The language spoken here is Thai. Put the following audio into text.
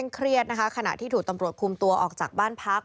เครียดนะคะขณะที่ถูกตำรวจคุมตัวออกจากบ้านพัก